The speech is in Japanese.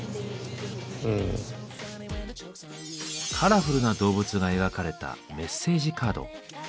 カラフルな動物が描かれたメッセージカード。